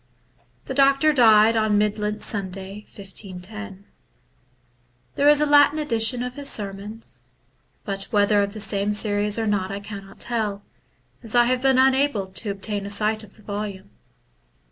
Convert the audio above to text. The doctor died on Mid Lent Sunday, 1510. There is a Latin edition of his sermons. 262 THE BOOK OF WERE WOLVES. but whether of the same series or not I cannot tell, as I have been unable to obtain a sight of the volume.